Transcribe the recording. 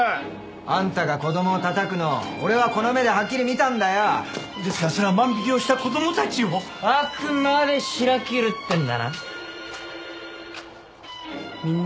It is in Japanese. あんたが子どもをたたくのを俺はこの目ではっきり見たんだよですからそれは万引きをした子どもたちをあくまでしら切るってんだな？